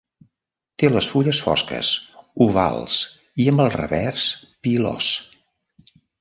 Té les fulles fosques, ovals i amb el revers pilós.